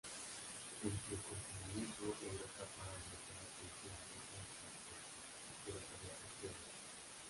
En su confinamiento logró escapar al golpear al polícia Richard Proctor, pero sería capturado.